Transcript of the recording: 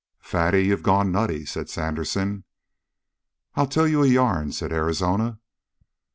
"Fatty, you've gone nutty," said Sandersen. "I'll tell you a yarn," said Arizona.